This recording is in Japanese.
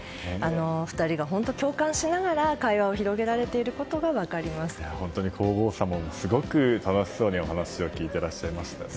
お二人が本当に共感しながら会話を広げられていることが本当に皇后さまもすごく楽しそうにお話を聞いてらっしゃいましたね。